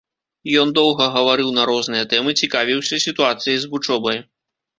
Ён доўга гаварыў на розныя тэмы, цікавіўся сітуацыяй з вучобай.